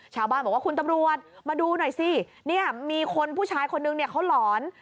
ชาวบ้านบอกว่าคุณตำรวจมาดูหน่อยสิเนี่ยมีคนผู้ชายคนนึงเนี่ยเขาหลอน